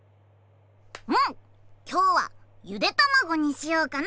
きょうはゆでたまごにしようかな。